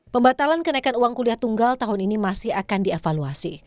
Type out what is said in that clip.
pembatalan kenaikan uang kuliah tunggal tahun ini masih akan dievaluasi